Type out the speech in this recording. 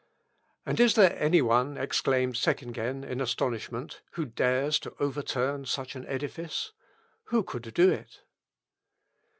"And is there any one," exclaimed Seckingen in astonishment, "who dares to overturn such an edifice? Who could do it?"